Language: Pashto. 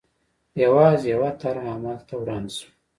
یوازې یوه طرحه عمل ته وړاندې شوه.